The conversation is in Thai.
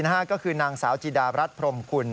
ก็คือนางสาวจิดารัฐพรมคุณ